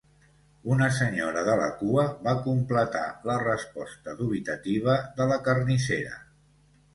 Una senyora de la cua va completar la resposta dubitativa de la carnissera.